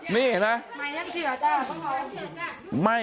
นี่เห็นไหม